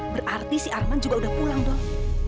berarti si arman juga udah pulang dong